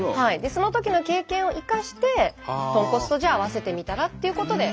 そのときの経験を生かして豚骨とじゃあ合わせてみたらっていうことで。